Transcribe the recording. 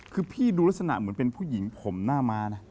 คือพี่ดูลักษณะเหมือนเป็นผู้หญิงผมหน้าม้านะ